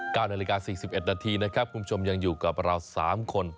นาฬิกาสี่สิบเอ็ดนาทีนะครับคุณผู้ชมยังอยู่กับเราสามคน